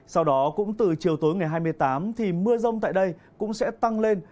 sau đó cũng từ chiều tối ngày hai mươi tám thì mưa rông tại đây cũng sẽ tăng lên